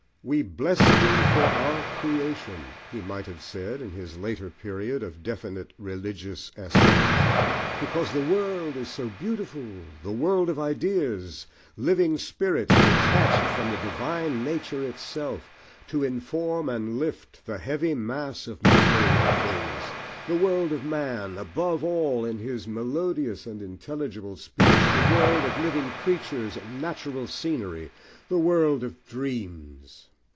"We bless thee for our creation!" he might have said, in his later period of definite religious assent, "because the world is so beautiful: the world of ideas living spirits, detached from the divine nature itself, to inform and lift the heavy mass of material things; the world of man, above all in his melodious and intelligible speech; the world of living creatures and natural scenery; the world of dreams."